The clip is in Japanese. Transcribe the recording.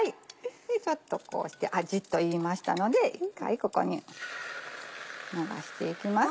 ちょっとこうしてジッといいましたので一回ここに流していきます。